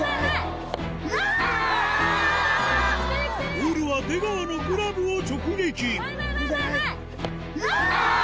ボールは出川のグラブを直撃前前前前前！